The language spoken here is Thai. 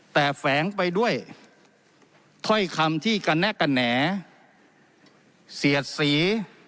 แต่แฝงไปด้วยถ้อยคำที่กระแนะกระแหน่เสียดสี